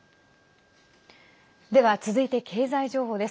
では続いて経済情報です。